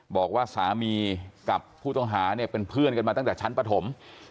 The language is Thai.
บอกว่าสามีกับผู้ต้องหาเนี่ยเป็นเพื่อนกันมาตั้งแต่ชั้นปฐม